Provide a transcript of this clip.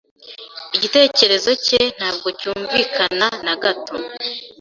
Igitekerezo cye ntabwo cyumvikana na gato.